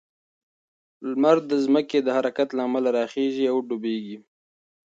لمر د ځمکې د حرکت له امله راخیژي او ډوبیږي.